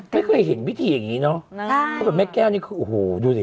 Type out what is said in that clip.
ไม่เคยเห็นวิธีอย่างงี้เนอะใช่แม่แก้วนี้โอ้โหดูสิ